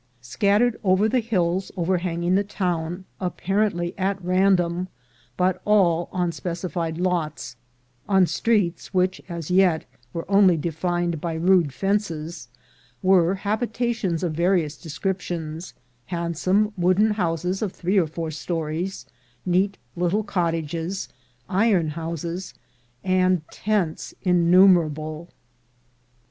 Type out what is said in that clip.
Scattered over the hills overhanging the town, apparently at random, but all on specified lots, on streets which as yet were only defined by rude fences, were habitations of various descriptions, handsome wooden houses of three or four stories, neat little cottages, iron houses, and tents innumerable.